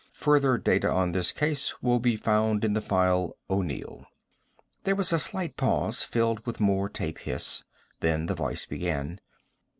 Further data on this case will be found in the file O'Neill." There was a slight pause, filled with more tape hiss. Then the voice began.